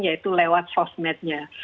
yaitu lewat sosmednya